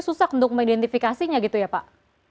susah untuk mengidentifikasinya gitu ya pak